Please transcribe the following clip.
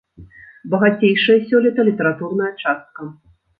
Багацейшая сёлета літаратурная частка.